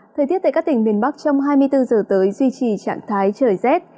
thời tiết tại các tỉnh miền bắc trong hai mươi bốn giờ tới duy trì trạng thái trời rét